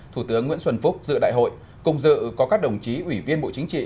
thủ tướng nguyễn xuân phúc dự đại hội cùng dự có các đồng chí ủy viên bộ chính trị